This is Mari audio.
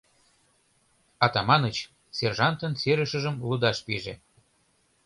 Атаманыч сержантын серышыжым лудаш пиже.